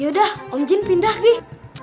yaudah om jin pindah deh